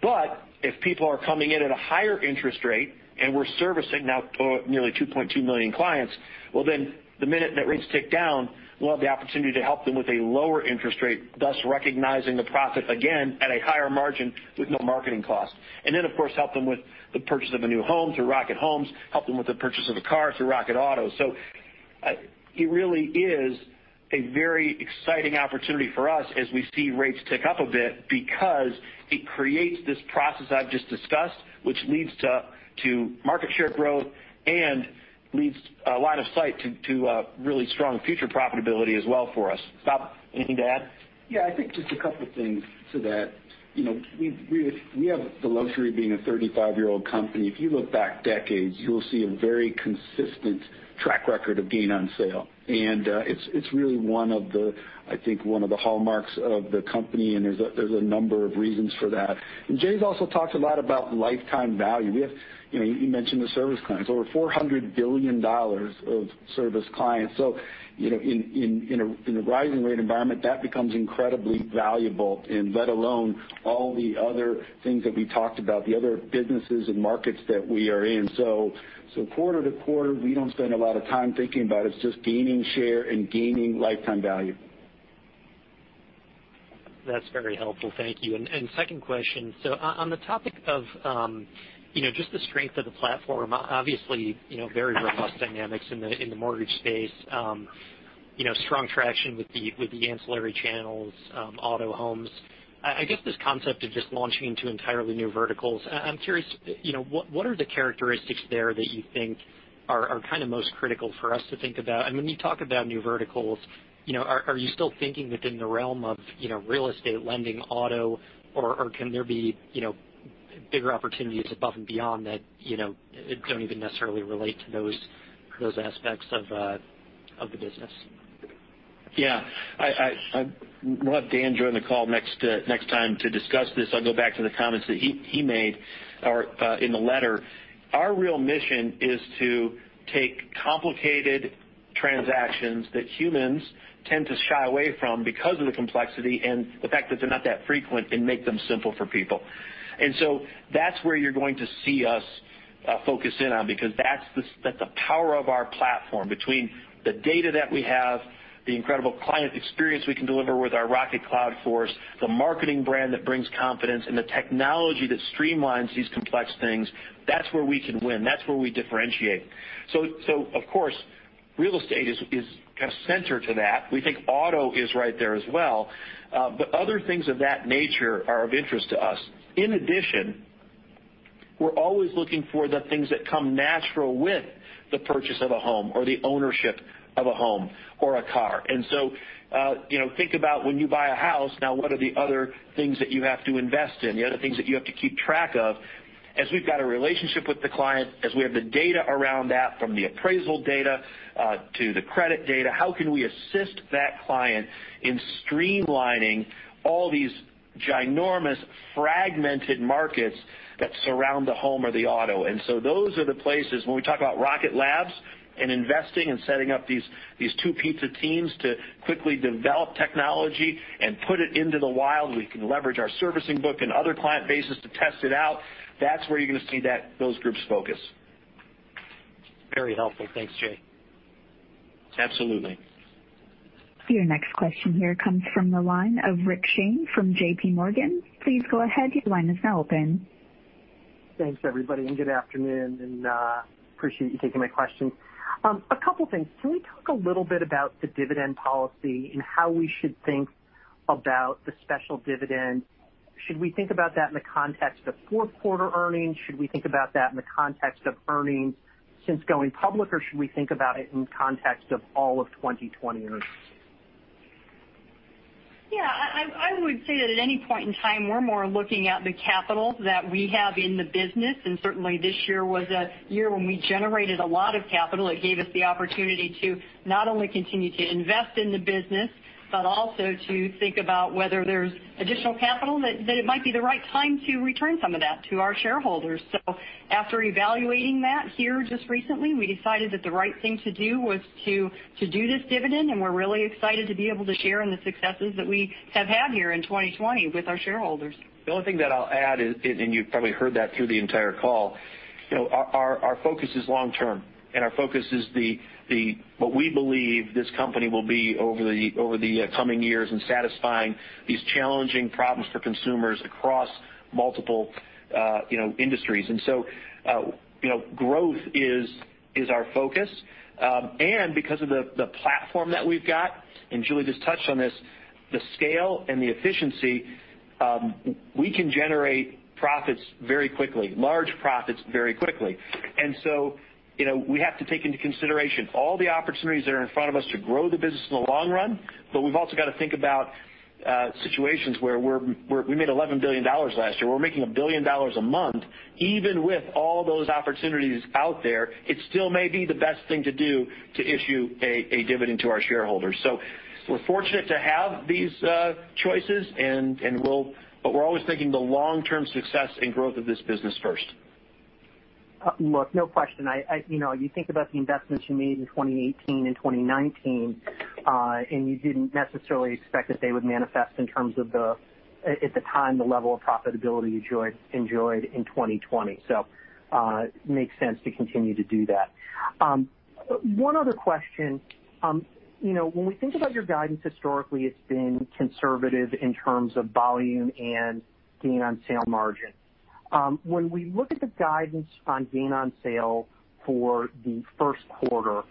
but if people are coming in at a higher interest rate, and we're servicing now nearly 2.2 million clients, well, then the minute that rates tick down, we'll have the opportunity to help them with a lower interest rate, thus recognizing the profit again at a higher margin with no marketing cost. Of course, help them with the purchase of a new home through Rocket Homes, help them with the purchase of a car through Rocket Auto. It really is a very exciting opportunity for us as we see rates tick up a bit because it creates this process I've just discussed, which leads to market share growth and leads a line of sight to really strong future profitability as well for us. Bob, anything to add? Yeah, I think just a couple of things to that. We have the luxury of being a 35-year-old company. If you look back decades, you'll see a very consistent track record of gain on sale. It's really one of the hallmarks of the company, and there's a number of reasons for that. Jay's also talked a lot about lifetime value. You mentioned the service clients, over $400 billion of service clients. In a rising rate environment, that becomes incredibly valuable, let alone all the other things that we talked about, the other businesses and markets that we are in. Quarter to quarter, we don't spend a lot of time thinking about it. It's just gaining share and gaining lifetime value. That's very helpful. Thank you. Second question. On the topic of just the strength of the platform, obviously very robust dynamics in the mortgage space. Strong traction with the ancillary channels, auto, homes. I guess this concept of just launching into entirely new verticals. I'm curious, what are the characteristics there that you think are kind of most critical for us to think about? And when you talk about new verticals, are you still thinking within the realm of real estate lending, auto, or can there be bigger opportunities above and beyond that don't even necessarily relate to those aspects of the business? Yeah. I'm going to have Dan join the call next time to discuss this. I'll go back to the comments that he made in the letter. Our real mission is to take complicated transactions that humans tend to shy away from because of the complexity and the fact that they're not that frequent, and make them simple for people. That's where you're going to see us focus in on, because that's the power of our platform. Between the data that we have, the incredible client experience we can deliver with our Rocket Cloud Force, the marketing brand that brings confidence, and the technology that streamlines these complex things. That's where we can win. That's where we differentiate. Of course, real estate is kind of center to that. We think auto is right there as well. Other things of that nature are of interest to us. In addition, we're always looking for the things that come natural with the purchase of a home or the ownership of a home or a car. Think about when you buy a house now, what are the other things that you have to invest in, the other things that you have to keep track of? As we've got a relationship with the client, as we have the data around that from the appraisal data to the credit data, how can we assist that client in streamlining all these ginormous fragmented markets that surround the home or the auto? Those are the places when we talk about Rocket Labs and investing and setting up these two-pizza teams to quickly develop technology and put it into the wild, we can leverage our servicing book and other client bases to test it out. That's where you're going to see those groups focus. Very helpful. Thanks, Jay. Absolutely. Your next question here comes from the line of Rick Shane from JPMorgan. Please go ahead. Your line is now open. Thanks, everybody, and good afternoon, and appreciate you taking my question. A couple things. Can we talk a little bit about the dividend policy and how we should think about the special dividend? Should we think about that in the context of fourth quarter earnings? Should we think about that in the context of earnings since going public, or should we think about it in context of all of 2020 earnings? Yeah. I would say that at any point in time, we're more looking at the capital that we have in the business. Certainly this year was a year when we generated a lot of capital. It gave us the opportunity to not only continue to invest in the business, but also to think about whether there's additional capital that it might be the right time to return some of that to our shareholders. After evaluating that here just recently, we decided that the right thing to do was to do this dividend, and we're really excited to be able to share in the successes that we have had here in 2020 with our shareholders. The only thing that I'll add is, you've probably heard that through the entire call, our focus is long-term, and our focus is what we believe this company will be over the coming years in satisfying these challenging problems for consumers across multiple industries. Growth is our focus. Because of the platform that we've got, and Julie just touched on this, the scale and the efficiency, we can generate profits very quickly, large profits very quickly. We have to take into consideration all the opportunities that are in front of us to grow the business in the long run. We've also got to think about situations where we made $11 billion last year. We're making $1 billion a month. Even with all those opportunities out there, it still may be the best thing to do to issue a dividend to our shareholders. We're fortunate to have these choices, but we're always thinking the long-term success and growth of this business first. No question. You think about the investments you made in 2018 and 2019, and you didn't necessarily expect that they would manifest in terms of the, at the time, the level of profitability you enjoyed in 2020. It makes sense to continue to do that. One other question. When we think about your guidance, historically it's been conservative in terms of volume and gain on sale margin. When we look at the guidance on gain on sale for the first quarter,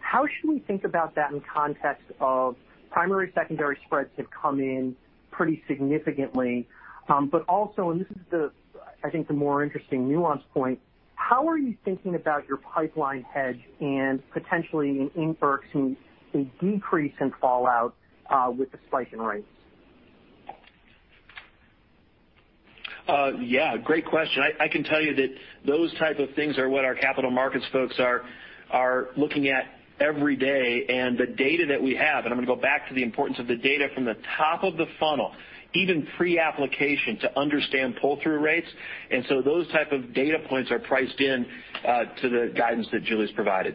how should we think about that in context of primary, secondary spreads have come in pretty significantly, but also, and this is I think the more interesting nuance point, how are you thinking about your pipeline hedge and potentially an increase in decrease in fallout with the spike in rates? Yeah, great question. I can tell you that those type of things are what our capital markets folks are looking at every day, and the data that we have, and I'm going to go back to the importance of the data from the top of the funnel, even pre-application to understand pull-through rates. Those type of data points are priced in to the guidance that Julie's provided.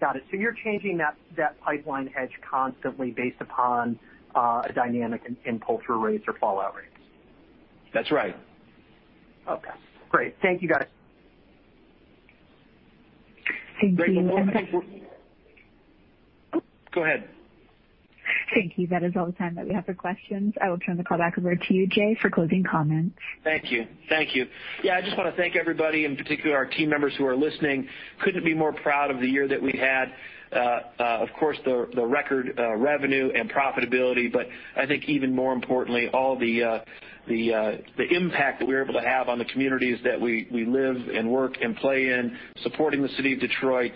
Got it. You're changing that pipeline hedge constantly based upon a dynamic in pull-through rates or fallout rates? That's right. Okay, great. Thank you, guys. Thank you. Go ahead. Thank you. That is all the time that we have for questions. I will turn the call back over to you, Jay, for closing comments. Thank you. I just want to thank everybody, in particular our team members who are listening. Couldn't be more proud of the year that we had. Of course, the record revenue and profitability, I think even more importantly, all the impact that we were able to have on the communities that we live and work and play in, supporting the city of Detroit,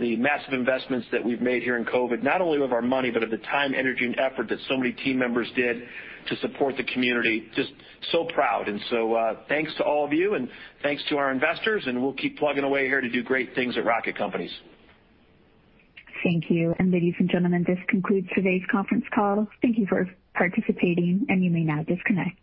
the massive investments that we've made here in COVID, not only with our money, but of the time, energy, and effort that so many team members did to support the community. Just so proud. Thanks to all of you, thanks to our investors, we'll keep plugging away here to do great things at Rocket Companies. Thank you. Ladies and gentlemen, this concludes today's conference call. Thank you for participating, and you may now disconnect.